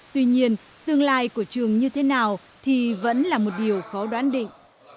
tuy nhiên tương lai của trường như thế nào thì vẫn là một điều khó đoán định